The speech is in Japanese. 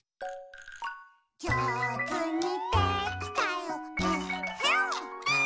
「じょうずにできたよえっへん」